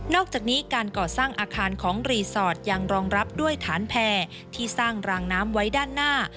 อกจากนี้การก่อสร้างอาคารของรีสอร์ทยังรองรับด้วยฐานแพร่ที่สร้างรางน้ำไว้ด้านหน้า